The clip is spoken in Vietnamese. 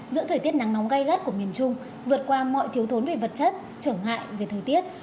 giữa thời tiết nắng nóng gai gắt của miền trung vượt qua mọi thiếu thốn về vật chất trở ngại về thời tiết